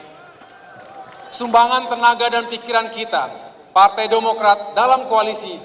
jadi sumbangan tenaga dan pikiran kita partai demokrat dalam koalisi